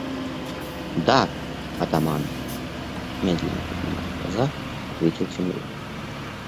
– Да, атаман, – медленно поднимая глаза, ответил Тимур.